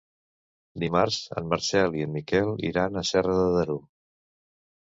Dimarts en Marcel i en Miquel iran a Serra de Daró.